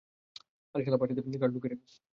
আরে শালা পাছাতে কার্ড লুকিয়ে রাখিস।